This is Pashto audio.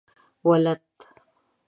ولد؟